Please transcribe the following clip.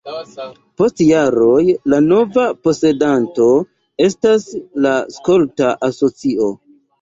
Post jaroj la nova posedanto estas la skolta asocio.